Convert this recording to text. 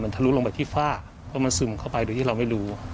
ทะลุลงไปที่ฝ้าเพราะมันซึมเข้าไปโดยที่เราไม่รู้